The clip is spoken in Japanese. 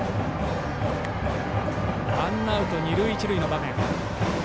ワンアウト、二塁一塁の場面。